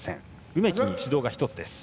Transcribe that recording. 梅木に指導が１つです。